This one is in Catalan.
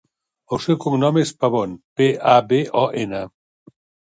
El seu cognom és Pabon: pe, a, be, o, ena.